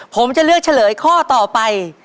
ผมจะเลือกเฉลยข้อต่อไป